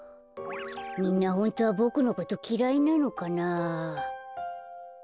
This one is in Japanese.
みんなホントはボクのこときらいなのかな。